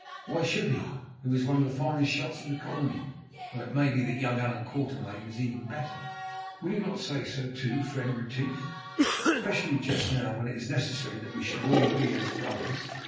Why should he, who is one of the finest shots in the Colony, though it may be that young Allan Quatermain here is even better? Will you not say so, too, friend Retief, especially just now when it is necessary that we should all be as brothers?"